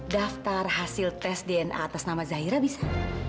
daftar hasil tes dna atas nama zahira bisa